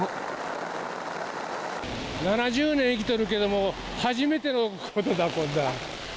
７０年生きとるけども、初めてのことだ、こんな。